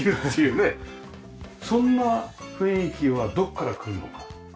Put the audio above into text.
そんな雰囲気はどこからくるのか。